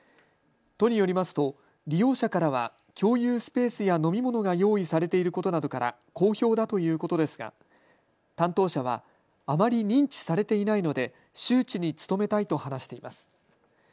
都によりますと利用者からは共有スペースや飲み物が用意されていることなどから好評だということですが担当者は、あまり認知されていないので周知に努めたいと話しています。